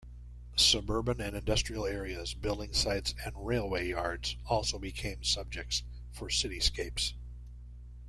Suburban and industrial areas, building sites and railway yards also became subjects for cityscapes.